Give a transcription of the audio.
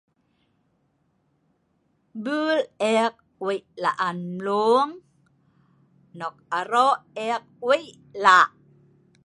bul ek weik la'an mlung nok arok ek weik lak